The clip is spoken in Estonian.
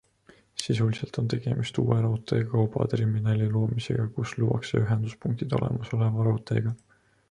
Sisuliselt on tegemist uue raudtee kaubaterminali loomisega, kus luuakse ühenduspunktid olemasoleva raudteega.